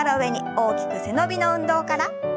大きく背伸びの運動から。